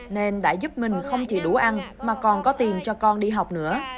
nên đã giúp mình không chỉ đủ ăn mà còn có tiền cho con đi học nữa